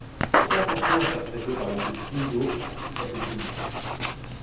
Trois chansons interprétées par le groupe Clouseau participent à cette finale.